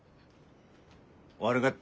悪がった。